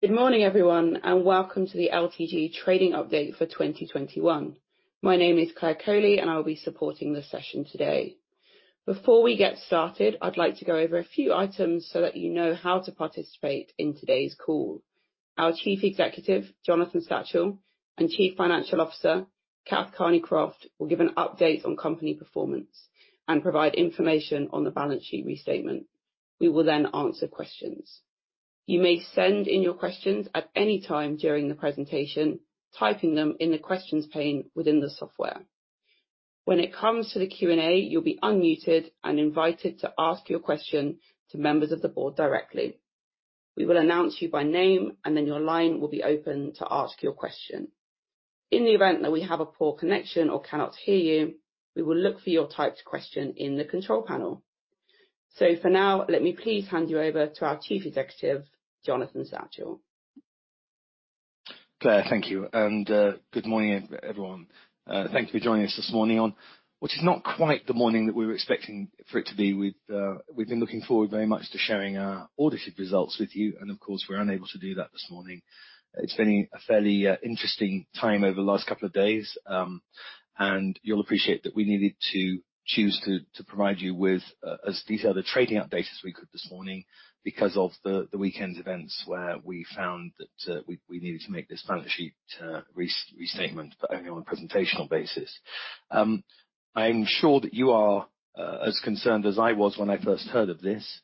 Good morning, everyone, and welcome to the LTG trading update for 2021. My name is Claire Coley and I will be supporting the session today. Before we get started, I'd like to go over a few items so that you know how to participate in today's call. Our Chief Executive, Jonathan Satchell, and Chief Financial Officer, Kath Kearney-Croft, will give an update on company performance and provide information on the balance sheet restatement. We will then answer questions. You may send in your questions at any time during the presentation, typing them in the questions pane within the software. When it comes to the Q&A, you'll be unmuted and invited to ask your question to members of the board directly. We will announce you by name and then your line will be open to ask your question. In the event that we have a poor connection or cannot hear you, we will look for your typed question in the control panel. For now, let me please hand you over to our Chief Executive, Jonathan Satchell. Claire, thank you. Good morning everyone. Thank you for joining us this morning, which is not quite the morning that we were expecting it to be. We've been looking forward very much to sharing our audited results with you, and of course, we're unable to do that this morning. It's been a fairly interesting time over the last couple of days, and you'll appreciate that we needed to choose to provide you with as detailed a trading update as we could this morning because of the weekend's events where we found that we needed to make this balance sheet restatement, but only on a presentational basis. I'm sure that you are as concerned as I was when I first heard of this,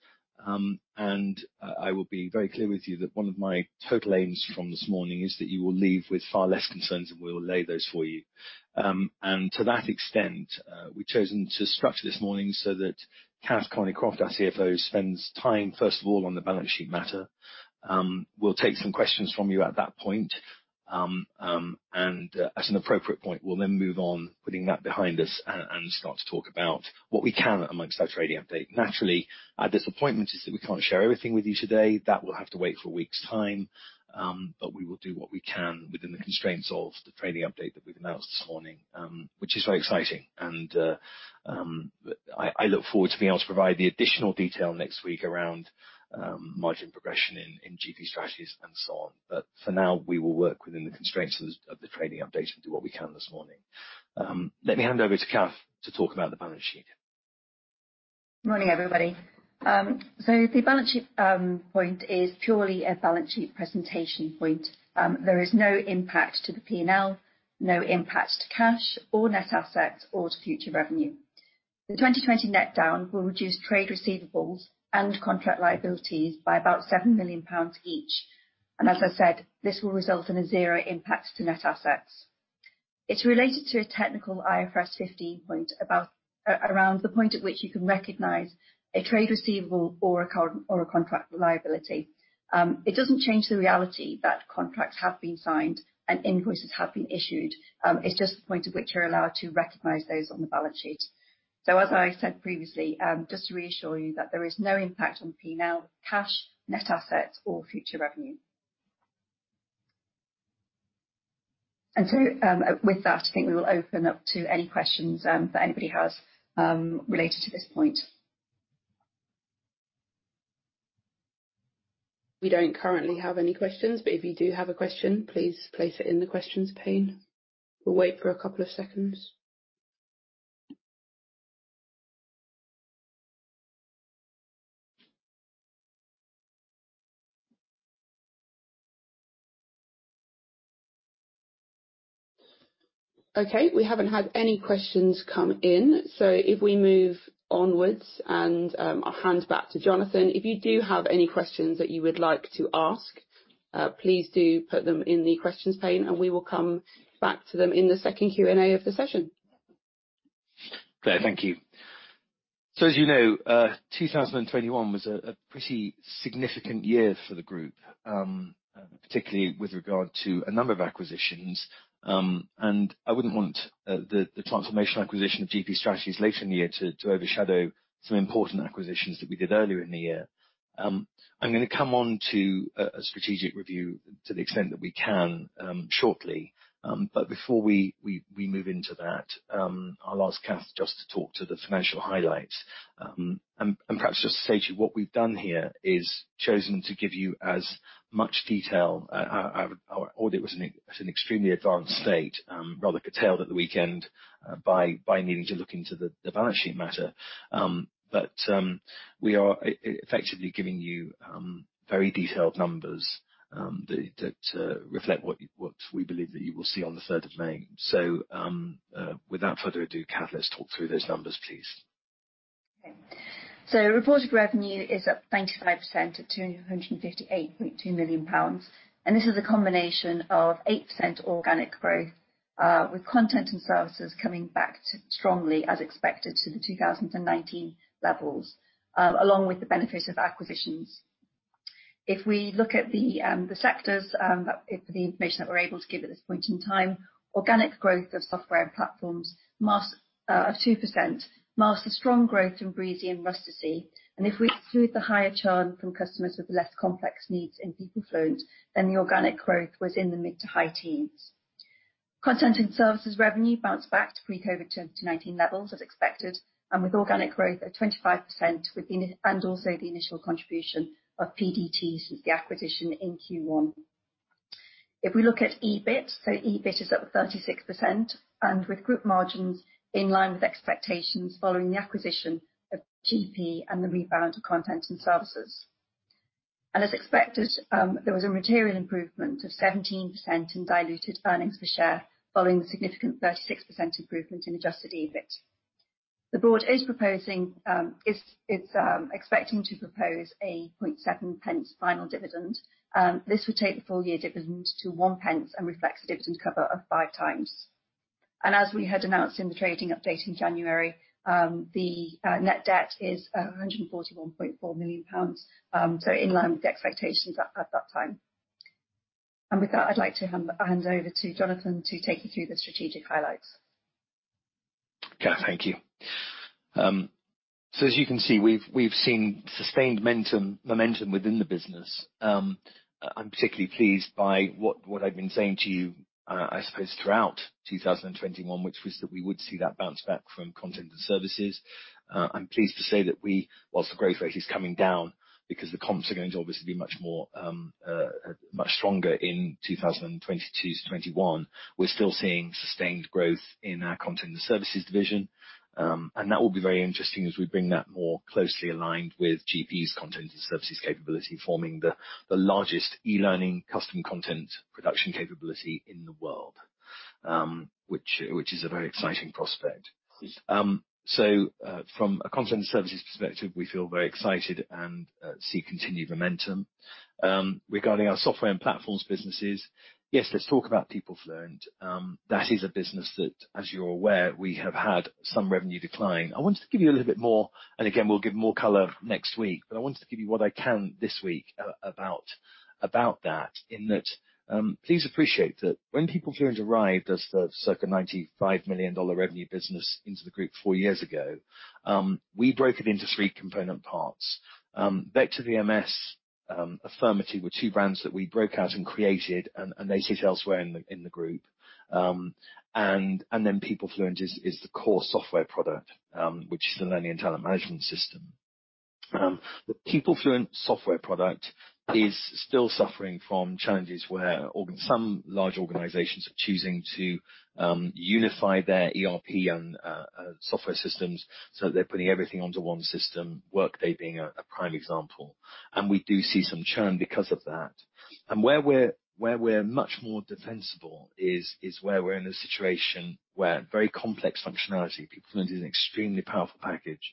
and I will be very clear with you that one of my total aims from this morning is that you will leave with far less concerns, and we will lay those for you. To that extent, we've chosen to structure this morning so that Kath Kearney-Croft, our CFO, spends time first of all on the balance sheet matter. We'll take some questions from you at that point, and at an appropriate point, we'll then move on, putting that behind us and start to talk about what we can among our trading update. Naturally, our disappointment is that we can't share everything with you today. That will have to wait for a week's time, but we will do what we can within the constraints of the trading update that we've announced this morning, which is very exciting, and I look forward to being able to provide the additional detail next week around margin progression in GP Strategies and so on. For now, we will work within the constraints of the trading update and do what we can this morning. Let me hand over to Kath to talk about the balance sheet. Morning, everybody. The balance sheet point is purely a balance sheet presentation point. There is no impact to the P&L, no impact to cash or net assets or to future revenue. The 2020 net down will reduce trade receivables and contract liabilities by about 7 million pounds each. This will result in a zero impact to net assets. It's related to a technical IFRS 15 point about around the point at which you can recognize a trade receivable or a current or a contract liability. It doesn't change the reality that contracts have been signed and invoices have been issued. It's just the point at which you're allowed to recognize those on the balance sheet. As I said previously, just to reassure you that there is no impact on P&L, cash, net assets or future revenue. With that, I think we will open up to any questions that anybody has related to this point. We don't currently have any questions, but if you do have a question, please place it in the questions pane. We'll wait for a couple of seconds. Okay. We haven't had any questions come in, so if we move onwards and, I'll hand back to Jonathan. If you do have any questions that you would like to ask, please do put them in the questions pane and we will come back to them in the second Q&A of the session. Claire, thank you. As you know, 2021 was a pretty significant year for the group, particularly with regard to a number of acquisitions, and I wouldn't want the transformational acquisition of GP Strategies later in the year to overshadow some important acquisitions that we did earlier in the year. I'm gonna come on to a strategic review to the extent that we can, shortly. Before we move into that, I'll ask Kath just to talk to the financial highlights. Perhaps just to say to you, what we've done here is chosen to give you as much detail. Our audit was in an extremely advanced state, rather curtailed at the weekend by needing to look into the balance sheet matter. We are effectively giving you very detailed numbers that reflect what we believe that you will see on the 3rd of May. Without further ado, Kath, let's talk through those numbers, please. Okay. Reported revenue is up 95% at 258.2 million pounds. This is a combination of 8% organic growth, with content and services coming back strongly, as expected, to the 2019 levels, along with the benefit of acquisitions. If we look at the sectors, the information that we're able to give at this point in time, organic growth of software and platforms of 2% masks the strong growth in Breezy and Rustici. If we exclude the higher churn from customers with less complex needs in PeopleFluent, then the organic growth was in the mid- to high teens %. Content and services revenue bounced back to pre-COVID 2019 levels as expected, and with organic growth of 25% and also the initial contribution of PDT since the acquisition in Q1. If we look at EBIT, so EBIT is up 36% and with group margins in line with expectations following the acquisition of GP and the rebound of content and services. As expected, there was a material improvement of 17% in diluted earnings per share following the significant 36% improvement in adjusted EBIT. The board is expecting to propose a 0.7 final dividend. This would take the full-year dividend to 1 and reflects a dividend cover of 5x. As we had announced in the trading update in January, the net debt is 141.4 million pounds, in line with the expectations at that time. With that, I'd like to hand over to Jonathan to take you through the strategic highlights. Okay. Thank you. So as you can see, we've seen sustained momentum within the business. I'm particularly pleased by what I've been saying to you, I suppose throughout 2021, which was that we would see that bounce back from content and services. I'm pleased to say that we, whilst the growth rate is coming down because the comps are going to obviously be much more much stronger in 2022 to 2021, we're still seeing sustained growth in our content and services division. And that will be very interesting as we bring that more closely aligned with GP's content and services capability, forming the largest e-learning custom content production capability in the world, which is a very exciting prospect. From a content and services perspective, we feel very excited and see continued momentum. Regarding our software and platforms businesses, yes, let's talk about PeopleFluent. That is a business that, as you're aware, we have had some revenue decline. I wanted to give you a little bit more, and again, we'll give more color next week, but I wanted to give you what I can this week about that. Please appreciate that when PeopleFluent arrived as the circa $95 million revenue business into the group four years ago, we broke it into three component parts. VectorVMS, Affirmity were two brands that we broke out and created, and they sit elsewhere in the group. And then PeopleFluent is the core software product, which is a learning and talent management system. The PeopleFluent software product is still suffering from challenges where some large organizations are choosing to unify their ERP and software systems, so they're putting everything onto one system, Workday being a prime example. We do see some churn because of that. Where we're much more defensible is where we're in a situation where very complex functionality, PeopleFluent is an extremely powerful package,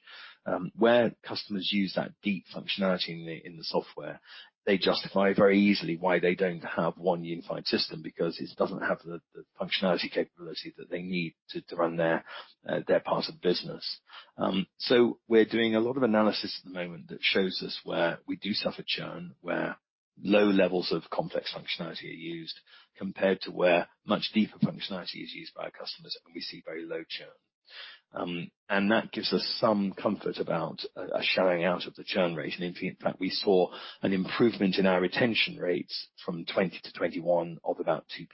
where customers use that deep functionality in the software. They justify very easily why they don't have one unified system because it doesn't have the functionality capability that they need to run their part of the business. We're doing a lot of analysis at the moment that shows us where we do suffer churn, where low levels of complex functionality are used compared to where much deeper functionality is used by our customers, and we see very low churn. That gives us some comfort about a shallowing out of the churn rate. In fact, we saw an improvement in our retention rates from 2020 to 2021 of about 2%.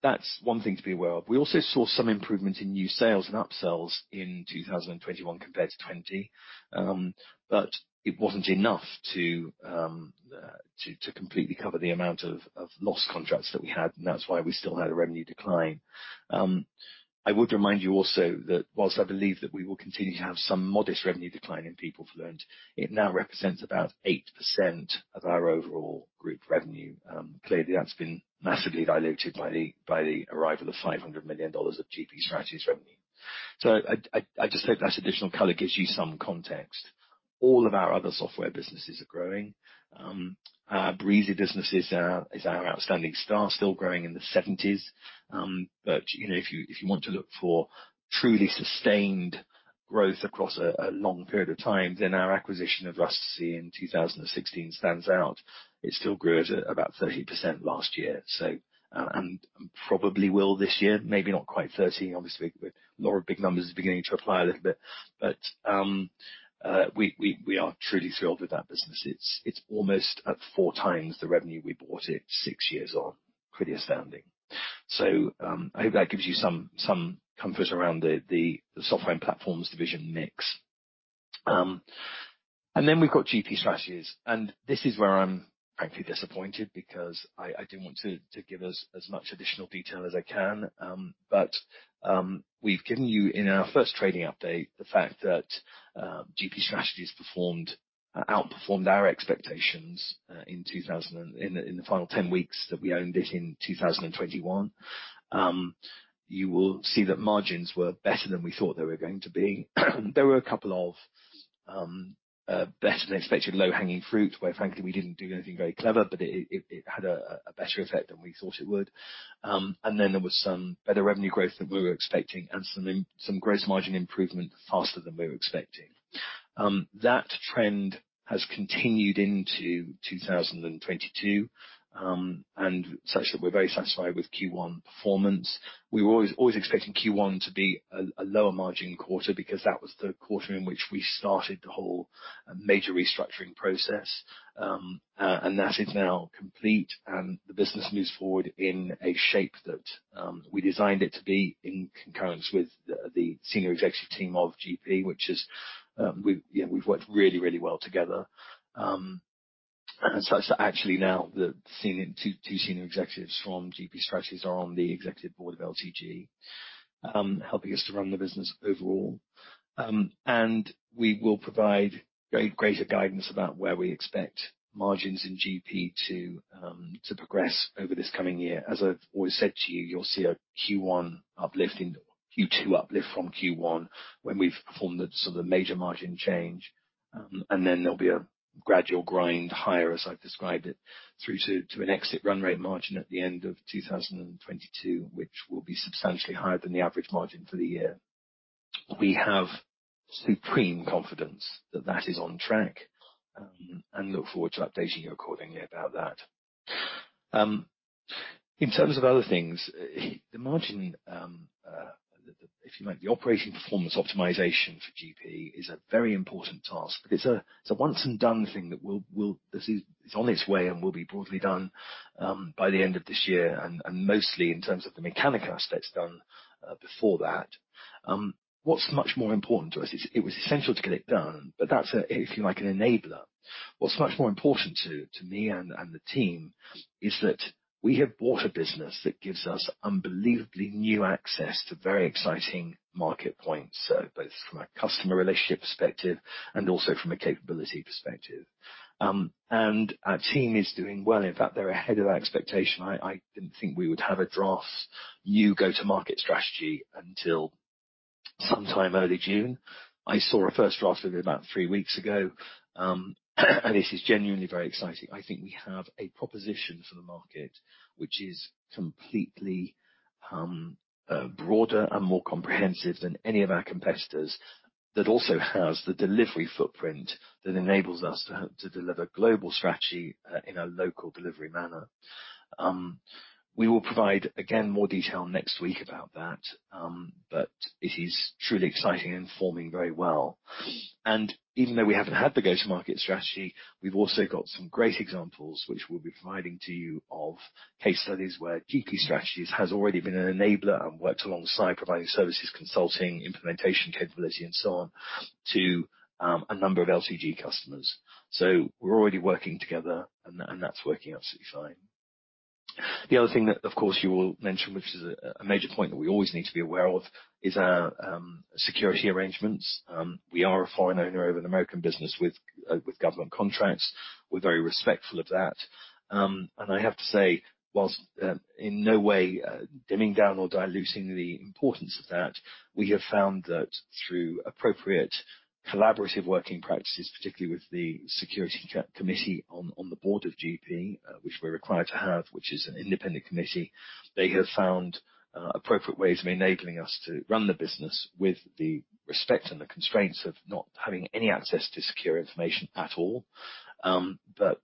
That's one thing to be aware of. We also saw some improvement in new sales and upsells in 2021 compared to 2020. It wasn't enough to completely cover the amount of lost contracts that we had, and that's why we still had a revenue decline. I would remind you also that while I believe that we will continue to have some modest revenue decline in PeopleFluent, it now represents about 8% of our overall group revenue. Clearly, that's been massively diluted by the arrival of $500 million of GP Strategies revenue. I just hope that additional color gives you some context. All of our other software businesses are growing. Our Breezy business is our outstanding star, still growing in the 70%. You know, if you want to look for truly sustained growth across a long period of time, then our acquisition of Rustici in 2016 stands out. It still grew at about 30% last year and probably will this year, maybe not quite 30%, obviously, with law of large numbers beginning to apply a little bit. We are truly thrilled with that business. It's almost at four times the revenue we bought it six years on. Pretty astounding. I hope that gives you some comfort around the Software and Platforms Division mix. We've got GP Strategies, and this is where I'm frankly disappointed because I do want to give as much additional detail as I can. We've given you in our first trading update the fact that GP Strategies outperformed our expectations in the final 10 weeks that we owned it in 2021. You will see that margins were better than we thought they were going to be. There were a couple of better-than-expected low-hanging fruit where frankly, we didn't do anything very clever, but it had a better effect than we thought it would. Then there was some better revenue growth than we were expecting and some gross margin improvement faster than we were expecting. That trend has continued into 2022 such that we're very satisfied with Q1 performance. We were always expecting Q1 to be a lower margin quarter because that was the quarter in which we started the whole major restructuring process. That is now complete, and the business moves forward in a shape that we designed it to be in conjunction with the senior executive team of GP. We've worked really well together. It's actually now that the two senior executives from GP Strategies are on the executive board of LTG, helping us to run the business overall. We will provide greater guidance about where we expect margins in GP to progress over this coming year. As I've always said to you'll see a Q1 uplift in Q2 uplift from Q1 when we've performed the sort of major margin change, and then there'll be a gradual grind higher, as I've described it, through to an exit run rate margin at the end of 2022, which will be substantially higher than the average margin for the year. We have supreme confidence that is on track, and look forward to updating you accordingly about that. In terms of other things, the margin, if you like, the operating performance optimization for GP is a very important task. It's a once and done thing. This is on its way and will be broadly done by the end of this year, and mostly in terms of the mechanical aspects done before that. What's much more important to us is it was essential to get it done, but that's a, if you like, an enabler. What's much more important to me and the team is that we have bought a business that gives us unbelievably new access to very exciting market points, both from a customer relationship perspective and also from a capability perspective. Our team is doing well. In fact, they're ahead of our expectation. I didn't think we would have a draft new go-to-market strategy until sometime early June. I saw a first draft of it about three weeks ago, and this is genuinely very exciting. I think we have a proposition for the market which is completely broader and more comprehensive than any of our competitors that also has the delivery footprint that enables us to deliver global strategy in a local delivery manner. We will provide again more detail next week about that, but it is truly exciting and forming very well. Even though we haven't had the go-to-market strategy, we've also got some great examples which we'll be providing to you of case studies where GP Strategies has already been an enabler and worked alongside providing services, consulting, implementation capability and so on, to a number of LTG customers. We're already working together and that that's working absolutely fine. The other thing that of course you will mention, which is a major point that we always need to be aware of, is our security arrangements. We are a foreign owner of an American business with government contracts. We're very respectful of that. I have to say, while in no way dumbing down or diluting the importance of that, we have found that through appropriate collaborative working practices, particularly with the security committee on the board of GP, which we're required to have, which is an independent committee, they have found appropriate ways of enabling us to run the business with the respect and the constraints of not having any access to secure information at all, but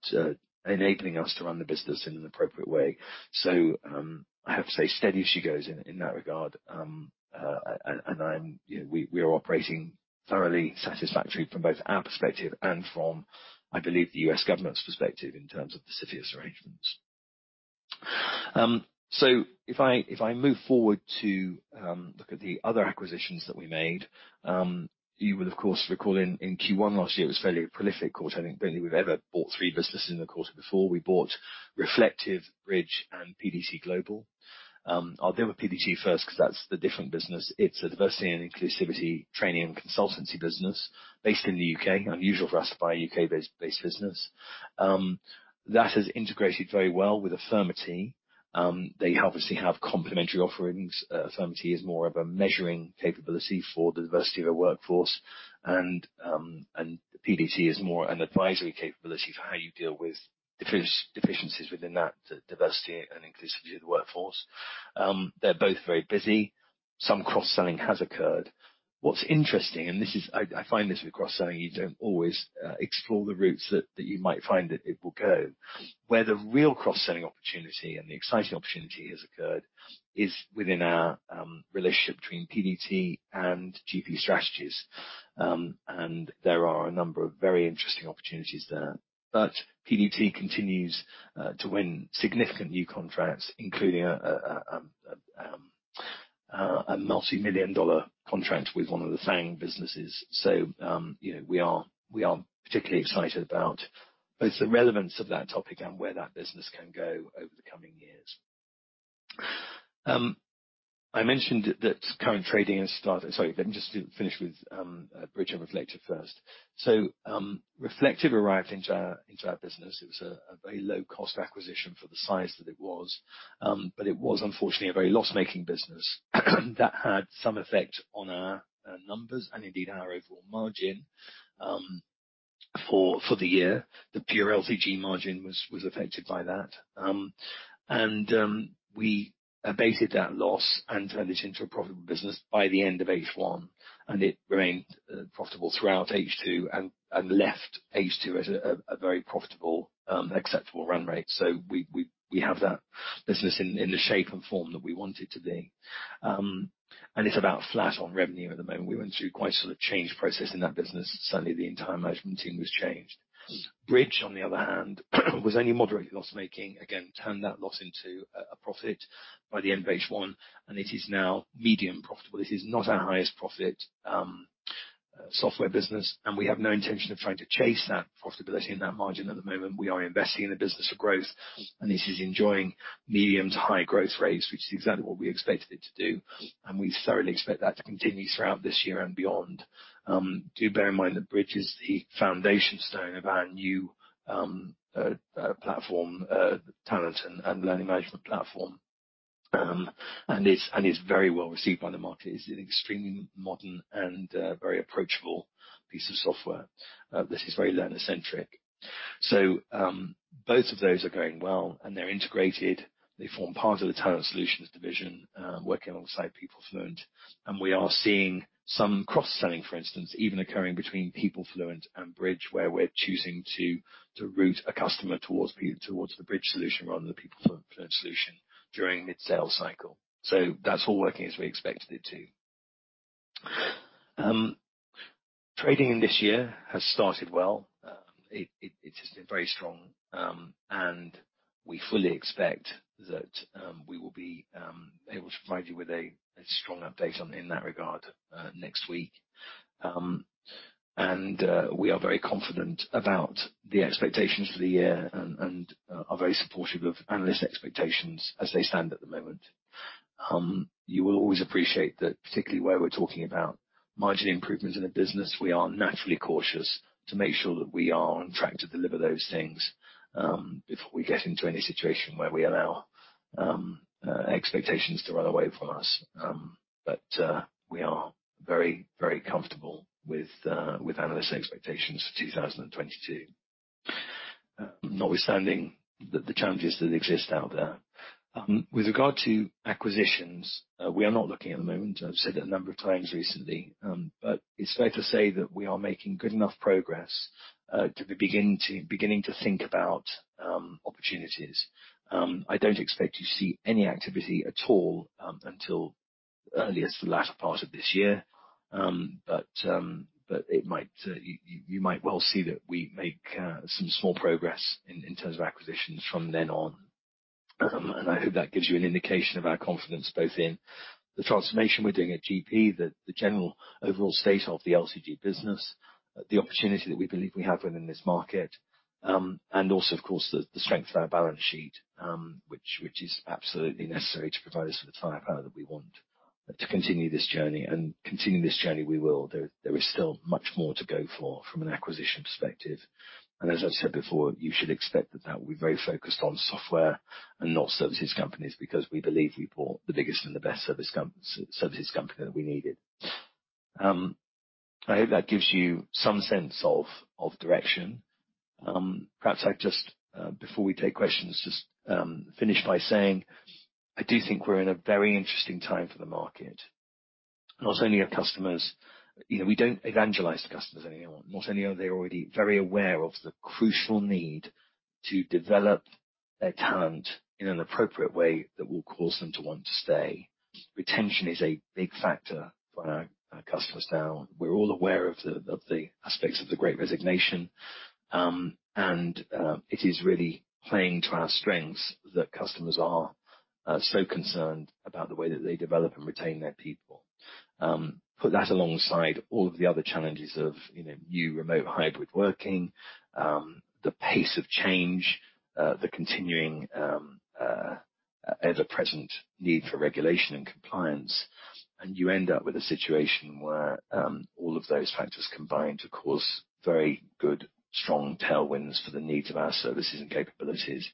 enabling us to run the business in an appropriate way. I have to say steady as she goes in that regard. I'm, you know, we are operating thoroughly satisfactory from both our perspective and from, I believe, the U.S. government's perspective in terms of the CFIUS arrangements. If I move forward to look at the other acquisitions that we made, you will of course recall in Q1 last year, it was a fairly prolific quarter. I don't think we've ever bought three businesses in the quarter before. We bought Reflektive, Bridge, and PDT Global. I'll deal with PDT first because that's the different business. It's a diversity and inclusivity training and consultancy business based in the U.K. Unusual for us to buy a U.K.-based business. That has integrated very well with Affirmity. They obviously have complementary offerings. Affirmity is more of a measuring capability for the diversity of a workforce and PDT is more an advisory capability for how you deal with deficiencies within that, the diversity and inclusivity of the workforce. They're both very busy. Some cross-selling has occurred. What's interesting, and this is I find this with cross-selling, you don't always explore the routes that you might find that it will go. Where the real cross-selling opportunity and the exciting opportunity has occurred is within our relationship between PDT and GP Strategies. There are a number of very interesting opportunities there. PDT continues to win significant new contracts, including a multimillion-dollar contract with one of the FANG businesses. You know, we are particularly excited about both the relevance of that topic and where that business can go over the coming years. I mentioned that current trading has started. Sorry, let me just finish with Bridge and Reflektive first. Reflektive arrived into our business. It was a very low-cost acquisition for the size that it was, but it was unfortunately a very loss-making business that had some effect on our numbers and indeed our overall margin for the year. The pure LTG margin was affected by that. We abated that loss and turned it into a profitable business by the end of H1, and it remained profitable throughout H2 and left H2 at a very profitable acceptable run rate. We have that business in the shape and form that we want it to be. It's about flat on revenue at the moment. We went through quite a sort of change process in that business. Certainly, the entire management team was changed. Bridge, on the other hand, was only moderately loss-making. We again turned that loss into a profit by the end of H1, and it is now medium profitable. This is not our highest profit software business, and we have no intention of trying to chase that profitability and that margin at the moment. We are investing in the business for growth, and this is enjoying medium to high growth rates, which is exactly what we expected it to do, and we thoroughly expect that to continue throughout this year and beyond. Do bear in mind that Bridge is the foundation stone of our new talent and learning management platform. It's very well received by the market. It's an extremely modern and very approachable piece of software that is very learner-centric. Both of those are going well, and they're integrated. They form part of the Talent Solutions division working alongside PeopleFluent. We are seeing some cross-selling, for instance, even occurring between PeopleFluent and Bridge, where we're choosing to route a customer towards the Bridge solution rather than the PeopleFluent solution during mid-sales cycle. That's all working as we expected it to. Trading in this year has started well. It has been very strong, and we fully expect that we will be able to provide you with a strong update on in that regard next week. We are very confident about the expectations for the year and are very supportive of analyst expectations as they stand at the moment. You will always appreciate that particularly where we're talking about margin improvements in a business, we are naturally cautious to make sure that we are on track to deliver those things before we get into any situation where we allow expectations to run away from us. We are very comfortable with analyst expectations for 2022, notwithstanding the challenges that exist out there. With regard to acquisitions, we are not looking at the moment. I've said it a number of times recently, but it's fair to say that we are making good enough progress to be beginning to think about opportunities. I don't expect to see any activity at all until earliest the latter part of this year. You might well see that we make some small progress in terms of acquisitions from then on. I hope that gives you an indication of our confidence both in the transformation we're doing at GP, the general overall state of the LTG business, the opportunity that we believe we have within this market, and also, of course, the strength of our balance sheet, which is absolutely necessary to provide us with the firepower that we want to continue this journey. Continue this journey we will. There is still much more to go for from an acquisition perspective. As I've said before, you should expect that will be very focused on software and not services companies, because we believe we bought the biggest and the best services company that we needed. I hope that gives you some sense of direction. Perhaps I'd just before we take questions just finish by saying I do think we're in a very interesting time for the market. You know, we don't evangelize to customers anymore. Not only are they already very aware of the crucial need to develop their talent in an appropriate way that will cause them to want to stay. Retention is a big factor for our customers now. We're all aware of the aspects of the Great Resignation. It is really playing to our strengths that customers are so concerned about the way that they develop and retain their people. Put that alongside all of the other challenges of, you know, new remote hybrid working, the pace of change, the continuing, ever-present need for regulation and compliance, and you end up with a situation where, all of those factors combine to cause very good strong tailwinds for the needs of our services and capabilities.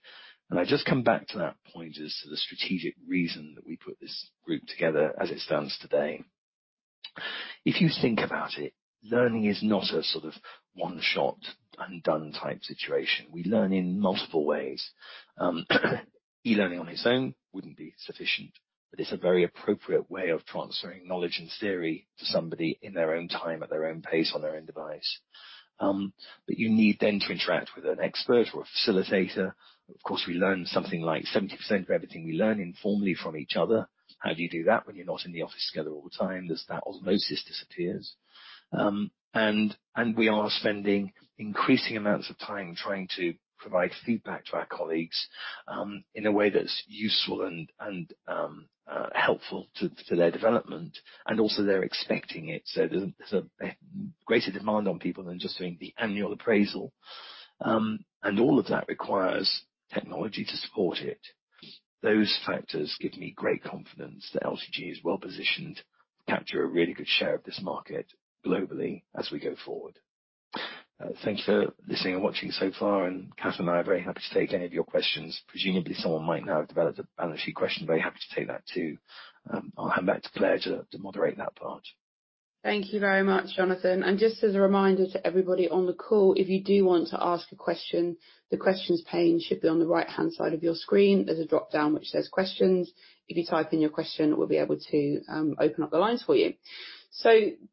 I just come back to that point as to the strategic reason that we put this group together as it stands today. If you think about it, learning is not a sort of one shot and done type situation. We learn in multiple ways. E-learning on its own wouldn't be sufficient, but it's a very appropriate way of transferring knowledge and theory to somebody in their own time, at their own pace, on their own device. You need then to interact with an expert or a facilitator. Of course, we learn something like 70% of everything we learn informally from each other. How do you do that when you're not in the office together all the time as that osmosis disappears? We are spending increasing amounts of time trying to provide feedback to our colleagues in a way that's useful and helpful to their development, and also they're expecting it, so there's a greater demand on people than just doing the annual appraisal. All of that requires technology to support it. Those factors give me great confidence that LTG is well-positioned to capture a really good share of this market globally as we go forward. Thank you for listening and watching so far, and Kath and I are very happy to take any of your questions. Presumably, someone might now have developed a balance sheet question. Very happy to take that too. I'll hand back to Claire to moderate that part. Thank you very much, Jonathan. Just as a reminder to everybody on the call, if you do want to ask a question, the questions pane should be on the right-hand side of your screen. There's a dropdown which says Questions. If you type in your question, we'll be able to open up the lines for you.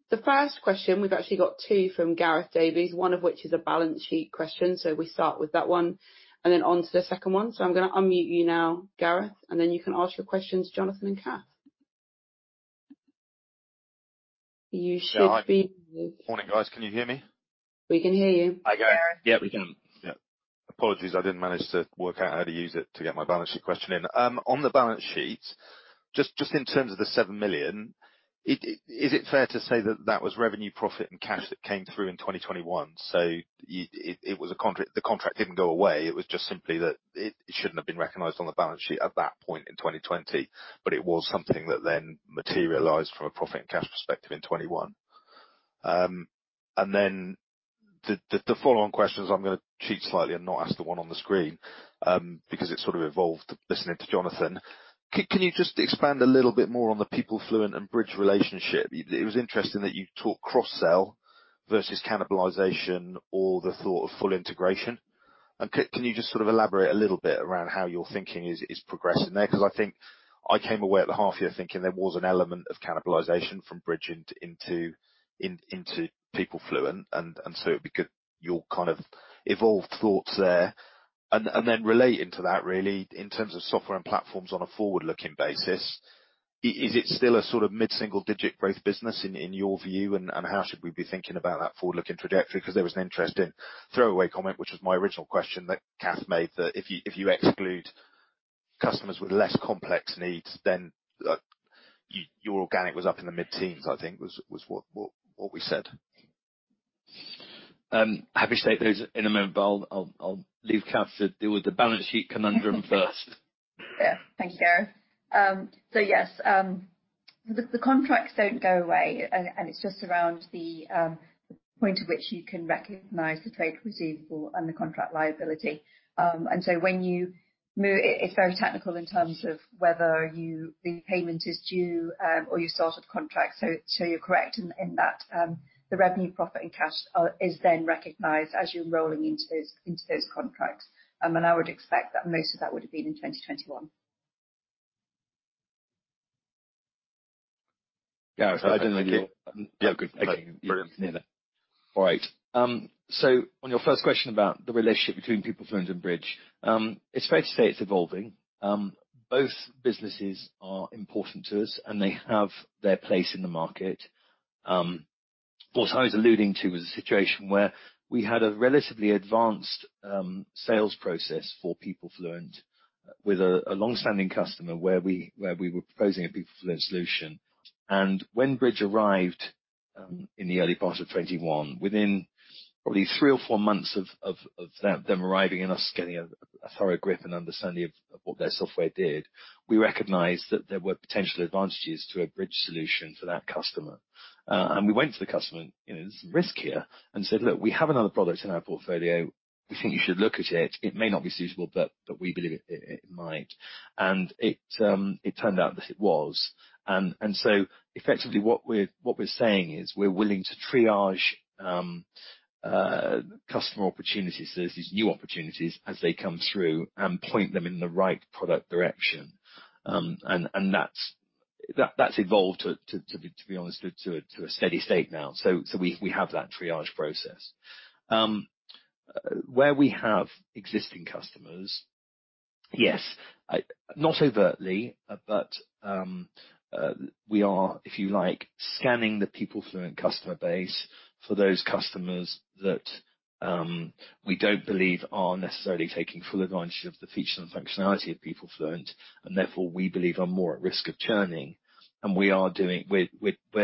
The first question, we've actually got two from Gareth Davies, one of which is a balance sheet question. We start with that one and then onto the second one. I'm gonna unmute you now, Gareth, and then you can ask your questions to Jonathan and Kath. Yeah. Hi. Morning, guys. Can you hear me? We can hear you. Hi, Gareth. Yeah, we can. Yeah. Apologies, I didn't manage to work out how to use it to get my balance sheet question in. On the balance sheet, just in terms of the 7 million, is it fair to say that that was revenue, profit, and cash that came through in 2021? It was a contract. The contract didn't go away, it was just simply that it shouldn't have been recognized on the balance sheet at that point in 2020, but it was something that then materialized from a profit and cash perspective in 2021. And then the follow-on questions, I'm gonna cheat slightly and not ask the one on the screen, because it sort of evolved listening to Jonathan. Can you just expand a little bit more on the PeopleFluent and Bridge relationship? It was interesting that you talked cross-sell versus cannibalization or the thought of full integration. Can you just sort of elaborate a little bit around how your thinking is progressing there? 'Cause I think I came away at the half year thinking there was an element of cannibalization from Bridge into PeopleFluent and so it'd be good, your kind of evolved thoughts there. Then relating to that really in terms of software and platforms on a forward-looking basis, is it still a sort of mid-single digit growth business in your view? How should we be thinking about that forward-looking trajectory? Because there was an interesting throwaway comment, which was my original question that Kath made, that if you exclude customers with less complex needs, then your organic was up in the mid-teens, I think was what we said. Happy to take those in a moment, but I'll leave Kath to deal with the balance sheet conundrum first. Yeah. Thank you, Gareth. Yes, the contracts don't go away and it's just around the point at which you can recognize the trade receivable and the contract liability. It's very technical in terms of whether the payment is due or you started the contract. You're correct in that the revenue profit and cash is then recognized as you're rolling into those contracts. I would expect that most of that would have been in 2021. Gareth, I don't know if you. Yeah. Good. Thank you. You can hear that. All right. On your first question about the relationship between PeopleFluent and Bridge, it's fair to say it's evolving. Both businesses are important to us, and they have their place in the market. What I was alluding to was a situation where we had a relatively advanced sales process for PeopleFluent with a long-standing customer where we were proposing a PeopleFluent solution. When Bridge arrived in the early part of 2021, within probably three or four months of them arriving and us getting a thorough grip and understanding of what their software did, we recognized that there were potential advantages to a Bridge solution for that customer. We went to the customer and there's some risk here and said, "Look, we have another product in our portfolio. We think you should look at it. It may not be suitable, but we believe it might." It turned out that it was. Effectively, what we're saying is we're willing to triage customer opportunities. There's these new opportunities as they come through and point them in the right product direction. That's evolved to be honest to a steady state now. We have that triage process. Where we have existing customers, yes. Not overtly, but we are, if you like, scanning the PeopleFluent customer base for those customers that we don't believe are necessarily taking full advantage of the features and functionality of PeopleFluent, and therefore, we believe are more at risk of churning. We are doing. We're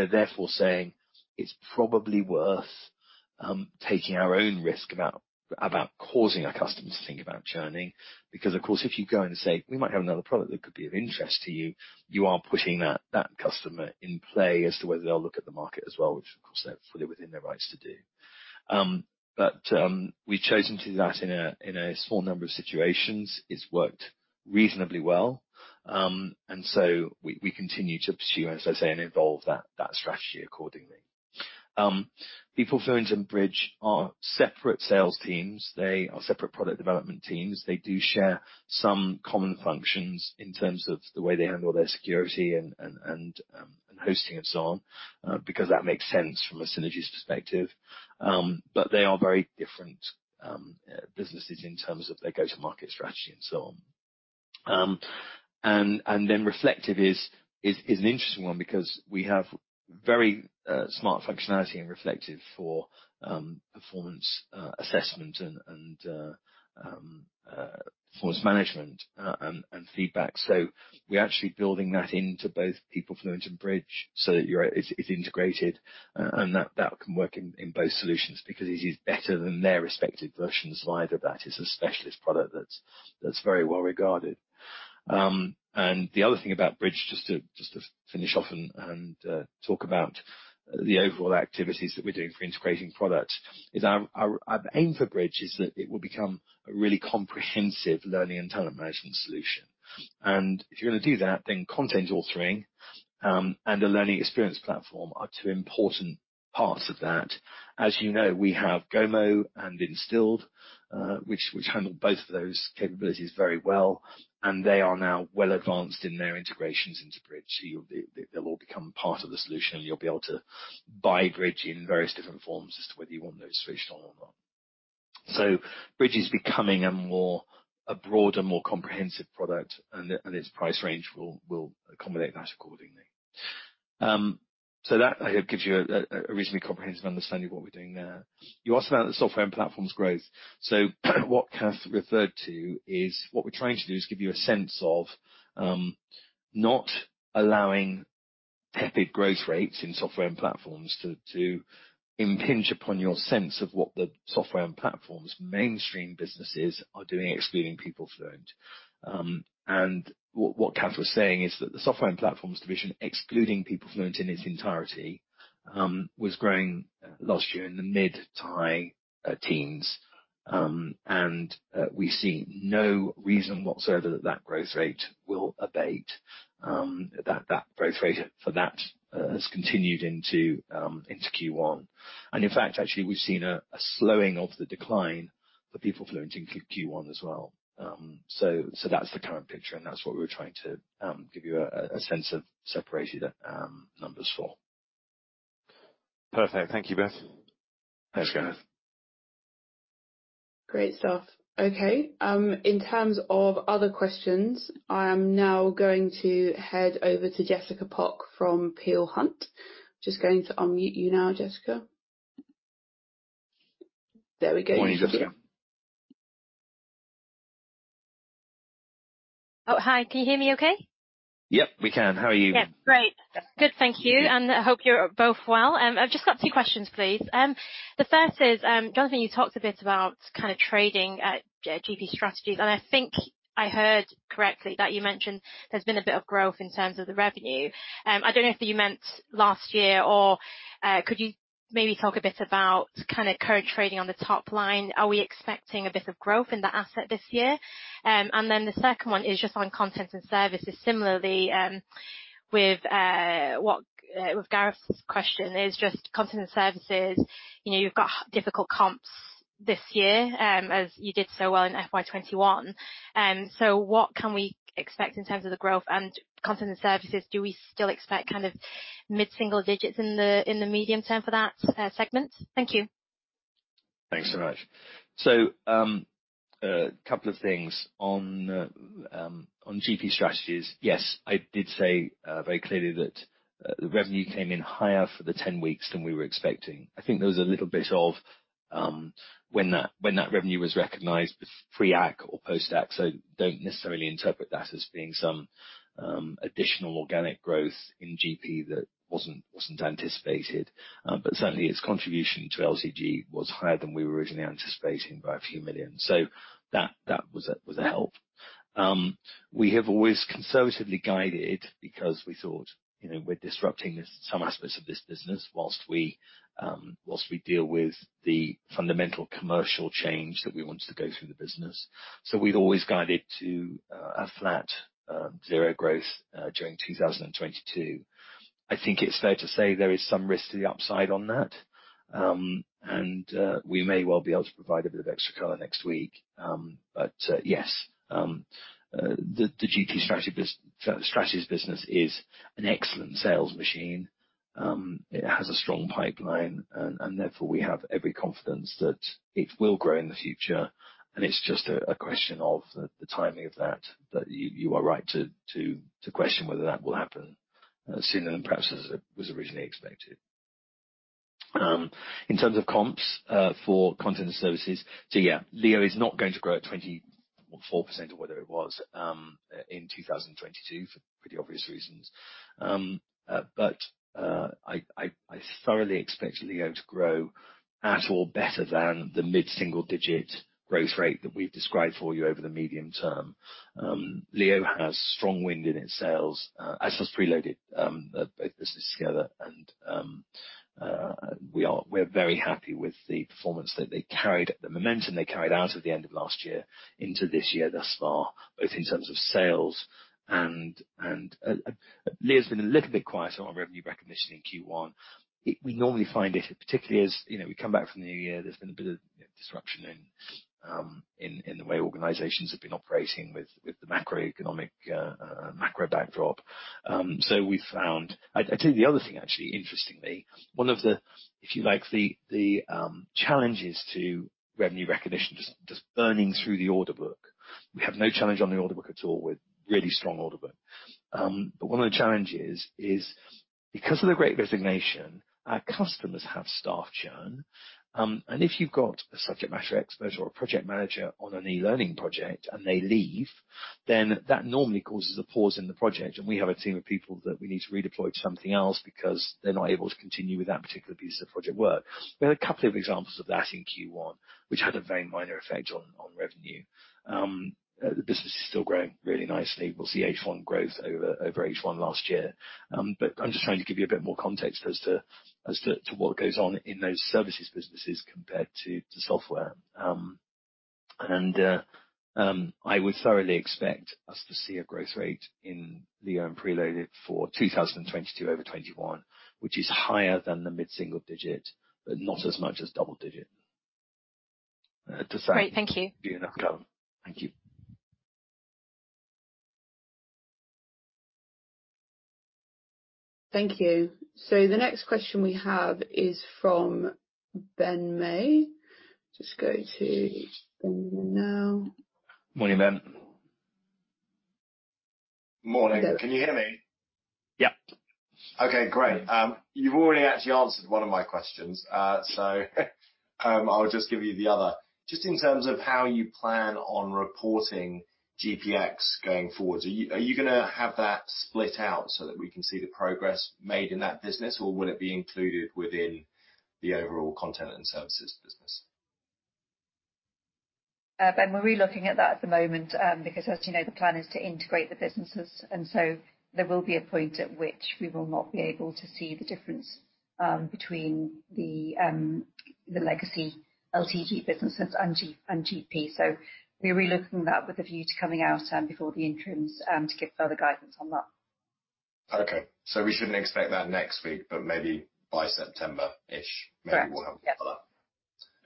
therefore saying it's probably worth taking our own risk about causing our customers to think about churning. Because of course, if you go in and say, "We might have another product that could be of interest to you," you are putting that customer in play as to whether they'll look at the market as well, which of course, they're fully within their rights to do. We've chosen to do that in a small number of situations. It's worked reasonably well, and so we continue to pursue, and as I say, and evolve that strategy accordingly. PeopleFluent and Bridge are separate sales teams. They are separate product development teams. They do share some common functions in terms of the way they handle their security and hosting and so on, because that makes sense from a synergies perspective. They are very different businesses in terms of their go-to-market strategy and so on. Reflektive is an interesting one because we have very smart functionality in Reflektive for performance assessment and performance management and feedback. We're actually building that into both PeopleFluent and Bridge so that it's integrated and that can work in both solutions because it is better than their respective versions. Neither of that is a specialist product that's very well-regarded. The other thing about Bridge, just to finish off and talk about the overall activities that we're doing for integrating products is our aim for Bridge is that it will become a really comprehensive learning and talent management solution. If you're gonna do that, then content authoring and a learning experience platform are two important parts of that. As you know, we have Gomo and Instilled, which handle both of those capabilities very well, and they are now well advanced in their integrations into Bridge. They'll all become part of the solution, and you'll be able to buy Bridge in various different forms as to whether you want those switched on or not. Bridge is becoming a more... A broader, more comprehensive product, and its price range will accommodate that accordingly. That I hope gives you a reasonably comprehensive understanding of what we're doing there. You asked about the Software and Platforms growth. What Kath referred to is what we're trying to do is give you a sense of not allowing Epic growth rates in Software and Platforms to impinge upon your sense of what the Software and Platforms mainstream businesses are doing, excluding PeopleFluent. What Kath was saying is that the Software and Platforms division, excluding PeopleFluent in its entirety, was growing last year in the mid- to high-teens. We see no reason whatsoever that growth rate will abate. That growth rate has continued into Q1. In fact, actually, we've seen a slowing of the decline for PeopleFluent in Q1 as well. That's the current picture, and that's what we were trying to give you a sense of separating the numbers for. Perfect. Thank you both. Thanks, Gareth. Great stuff. Okay, in terms of other questions, I am now going to head over to Jessica Pok from Peel Hunt. Just going to unmute you now, Jessica. There we go. Morning, Jessica. Oh, hi. Can you hear me okay? Yep, we can. How are you? Yeah. Great. Good. Thank you. I hope you're both well. I've just got two questions, please. The first is, Jonathan, you talked a bit about kind of trading at GP Strategies, and I think I heard correctly that you mentioned there's been a bit of growth in terms of the revenue. I don't know if you meant last year or could you maybe talk a bit about kind of current trading on the top line? Are we expecting a bit of growth in that asset this year? The second one is just on content and services. Similarly, with Gareth's question is just content and services. You know, you've got difficult comps this year, as you did so well in FY 2021. What can we expect in terms of the growth and content and services? Do we still expect kind of mid-single digits in the medium term for that segment? Thank you. Thanks so much. A couple of things on GP Strategies. Yes, I did say very clearly that the revenue came in higher for the 10 weeks than we were expecting. I think there was a little bit of when that revenue was recognized pre-AC or post-AC, so don't necessarily interpret that as being some additional organic growth in GP that wasn't anticipated. But certainly its contribution to LTG was higher than we were originally anticipating by a few million GBP. That was a help. We have always conservatively guided because we thought, you know, we're disrupting some aspects of this business whilst we deal with the fundamental commercial change that we wanted to go through the business. We've always guided to a flat 0% growth during 2022. I think it's fair to say there is some risk to the upside on that. We may well be able to provide a bit of extra color next week. Yes, the GP Strategies business is an excellent sales machine. It has a strong pipeline, and therefore we have every confidence that it will grow in the future. It's just a question of the timing of that you are right to question whether that will happen sooner than perhaps as was originally expected. In terms of comps for content and services. Yeah, LEO is not going to grow at 24% or whatever it was in 2022 for pretty obvious reasons. I thoroughly expect LEO to grow at or better than the mid-single digit growth rate that we've described for you over the medium term. LEO has strong wind in its sails, as does Preloaded, both businesses together. We're very happy with the performance that they carried, the momentum they carried out at the end of last year into this year thus far, both in terms of sales and LEO's been a little bit quiet on revenue recognition in Q1. We normally find it, particularly as, you know, we come back from the new year, there's been a bit of disruption in the way organizations have been operating with the macroeconomic backdrop. I tell you the other thing, actually, interestingly, one of the, if you like, challenges to revenue recognition, just burning through the order book. We have no challenge on the order book at all. We've really strong order book. One of the challenges is because of the Great Resignation, our customers have staff churn. If you've got a subject matter expert or a project manager on an e-learning project and they leave, then that normally causes a pause in the project. We have a team of people that we need to redeploy to something else because they're not able to continue with that particular piece of project work. We had a couple of examples of that in Q1, which had a very minor effect on revenue. The business is still growing really nicely. We'll see H1 growth over H1 last year. I'm just trying to give you a bit more context as to what goes on in those services businesses compared to software. I would thoroughly expect us to see a growth rate in LEO and Preloaded for 2022 over 2021, which is higher than the mid-single digit, but not as much as double digit. To say- Great. Thank you. Thank you. Thank you. The next question we have is from Ben May. Just go to Ben May now. Morning, Ben. Morning. Can you hear me? Yeah. Okay, great. You've already actually answered one of my questions. So, I'll just give you the other. Just in terms of how you plan on reporting GP Strategies going forward, are you gonna have that split out so that we can see the progress made in that business, or will it be included within the overall content and services business? Ben, we're relooking at that at the moment, because as you know, the plan is to integrate the businesses, and so there will be a point at which we will not be able to see the difference between the legacy LTG businesses and GP. We're relooking that with a view to coming out before the interims to give further guidance on that. Okay. We shouldn't expect that next week, but maybe by September-ish. Correct. Yep. Maybe we'll have follow-up.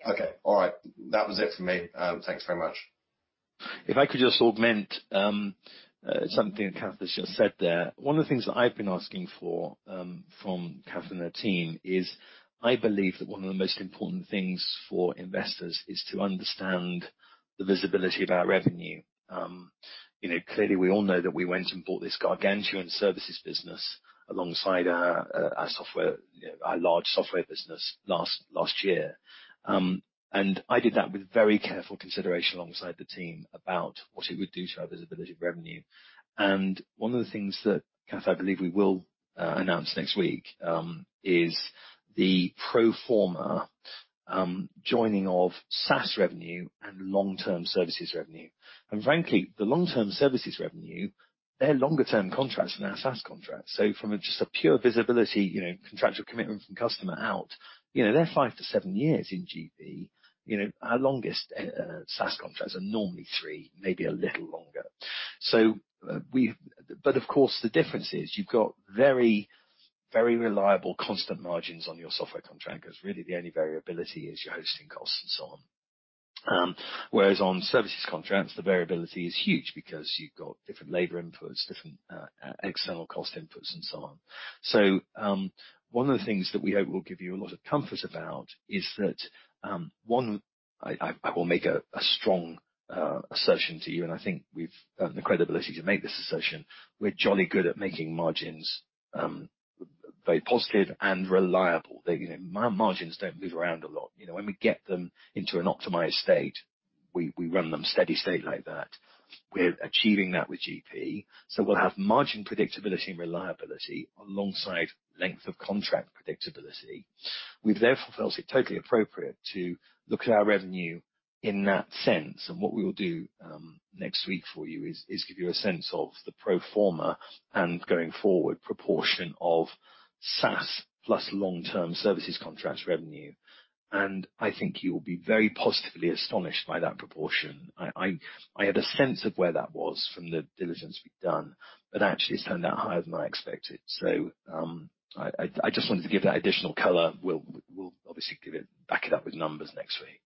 Yeah. Okay. All right. That was it for me. Thanks very much. If I could just augment something Kath has just said there. One of the things that I've been asking for from Kath and her team is, I believe that one of the most important things for investors is to understand the visibility of our revenue. You know, clearly, we all know that we went and bought this gargantuan services business alongside our software, you know, our large software business last year. I did that with very careful consideration alongside the team about what it would do to our visibility of revenue. One of the things that, Kath, I believe we will announce next week is the pro forma joining of SaaS revenue and long-term services revenue. Frankly, the long-term services revenue, they're longer-term contracts than our SaaS contracts. From just a pure visibility, contractual commitment from customer out, they're five to seven years in GP. Our longest SaaS contracts are normally three, maybe a little longer. But of course, the difference is you've got very, very reliable constant margins on your software contract, because really the only variability is your hosting costs and so on. Whereas on services contracts, the variability is huge because you've got different labor inputs, different external cost inputs, and so on. One of the things that we hope will give you a lot of comfort about is that, one, I will make a strong assertion to you, and I think we've the credibility to make this assertion. We're jolly good at making margins, very positive and reliable. They, you know, margins don't move around a lot. You know, when we get them into an optimized state, we run them steady state like that. We're achieving that with GP. We'll have margin predictability and reliability alongside length of contract predictability. We've therefore felt it totally appropriate to look at our revenue in that sense. What we will do next week for you is give you a sense of the pro forma and going forward proportion of SaaS plus long-term services contracts revenue. I think you'll be very positively astonished by that proportion. I had a sense of where that was from the diligence we'd done, but actually it's turned out higher than I expected. I just wanted to give that additional color. We'll obviously back it up with numbers next week.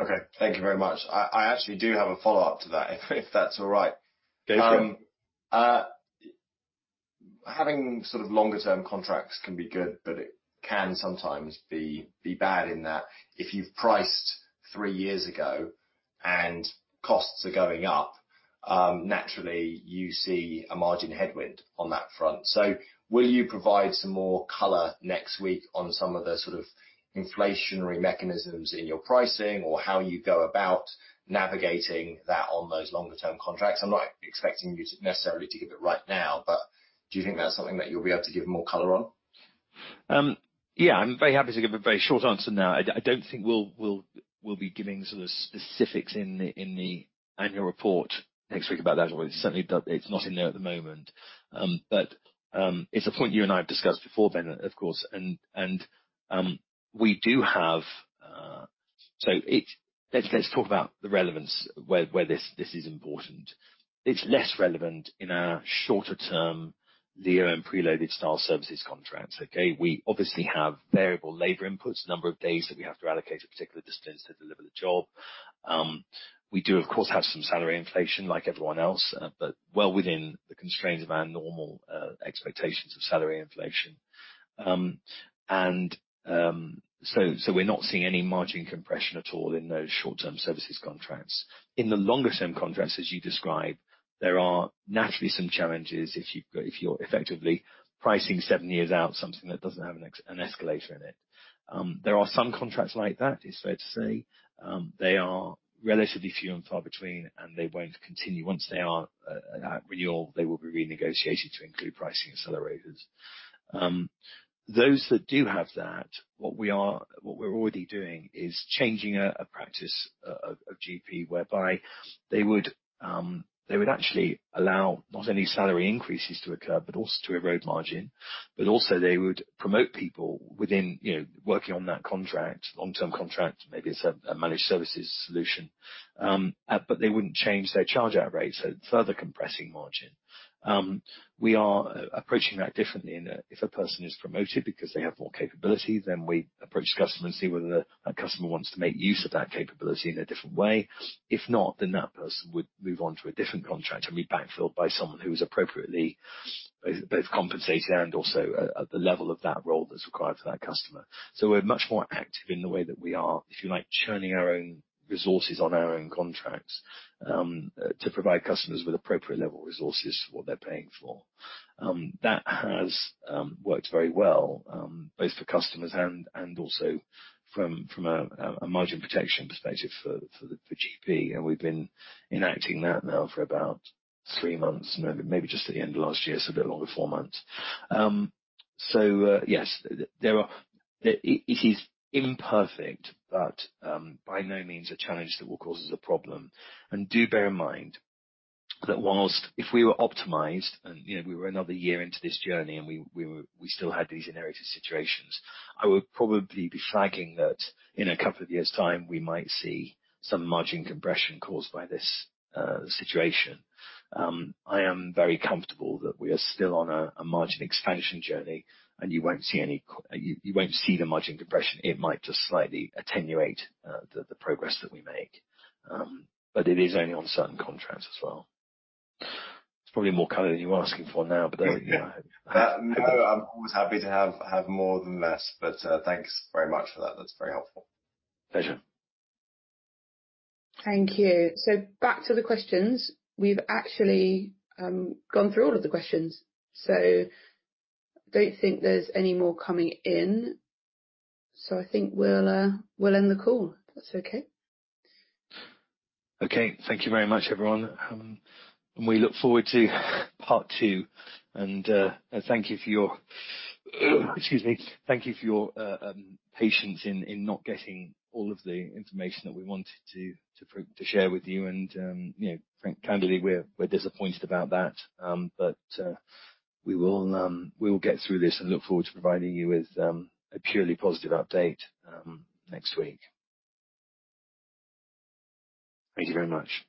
Okay. Thank you very much. I actually do have a follow-up to that, if that's all right. Go for it. Having sort of longer term contracts can be good, but it can sometimes be bad in that if you've priced three years ago and costs are going up, naturally you see a margin headwind on that front. Will you provide some more color next week on some of the sort of inflationary mechanisms in your pricing or how you go about navigating that on those longer term contracts? I'm not expecting you to necessarily give it right now, but do you think that's something that you'll be able to give more color on? Yeah, I'm very happy to give a very short answer now. I don't think we'll be giving sort of specifics in the annual report next week about that. It's certainly not. It's not in there at the moment. It's a point you and I have discussed before then, of course. Let's talk about the relevance where this is important. It's less relevant in our shorter term LEO and PRELOADED style services contracts, okay? We obviously have variable labor inputs, number of days that we have to allocate a particular resource to deliver the job. We do of course have some salary inflation like everyone else, but well within the constraints of our normal expectations of salary inflation. We're not seeing any margin compression at all in those short-term services contracts. In the longer term contracts, as you describe, there are naturally some challenges if you've got if you're effectively pricing seven years out something that doesn't have an escalator in it. There are some contracts like that, it's fair to say. They are relatively few and far between, and they won't continue. Once they are at renewal, they will be renegotiated to include pricing accelerators. Those that do have that, what we're already doing is changing a practice of GP whereby they would actually allow not only salary increases to occur, but also to erode margin. They would promote people within, you know, working on that contract, long-term contract, maybe it's a managed services solution. They wouldn't change their charge out rates so further compressing margin. We are approaching that differently. If a person is promoted because they have more capability, then we approach the customer and see whether the customer wants to make use of that capability in a different way. If not, then that person would move on to a different contract and be backfilled by someone who is appropriately both compensated and also at the level of that role that's required for that customer. We're much more active in the way that we are, if you like, churning our own resources on our own contracts, to provide customers with appropriate level resources for what they're paying for. That has worked very well both for customers and also from a margin protection perspective for GP, and we've been enacting that now for about three months, maybe just at the end of last year, so a bit longer, four months. Yes, it is imperfect, but by no means a challenge that will cause us a problem. Do bear in mind that whilst if we were optimized and, you know, we were another year into this journey, and we still had these inherited situations, I would probably be flagging that in a couple of years' time, we might see some margin compression caused by this situation. I am very comfortable that we are still on a margin expansion journey, and you won't see the margin compression. It might just slightly attenuate the progress that we make. It is only on certain contracts as well. It's probably more color than you were asking for now, but there you go. Yeah. No, I'm always happy to have more than less, but thanks very much for that. That's very helpful. Pleasure. Thank you. Back to the questions. We've actually gone through all of the questions, so don't think there's any more coming in. I think we'll end the call if that's okay. Okay. Thank you very much, everyone, and we look forward to part two. Thank you for your patience in not getting all of the information that we wanted to share with you, and you know, candidly, we're disappointed about that. We will get through this and look forward to providing you with a purely positive update next week. Thank you very much.